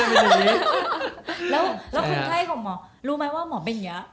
แล้วคนไข้ของหมอรู้ไหมว่าหมอเป็นอย่างนี้